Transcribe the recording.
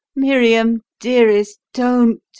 "Miriam, dearest, don't!